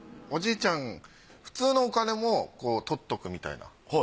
おじいちゃん普通のお金もとっとくみたいな。